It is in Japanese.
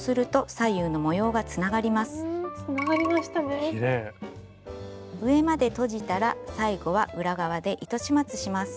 上までとじたら最後は裏側で糸始末します。